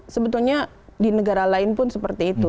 sebetulnya di negara lain pun seperti itu